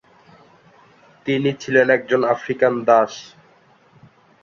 তিনি ছিলেন একজন আফ্রিকান দাস।